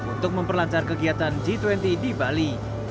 untuk memperlancar kegiatan g dua puluh di bali